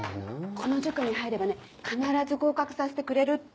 この塾に入ればね必ず合格させてくれるって。